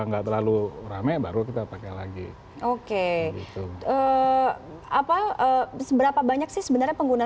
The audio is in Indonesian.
enggak terlalu rame baru kita pakai lagi oke itu apa seberapa banyak sih sebenarnya pengguna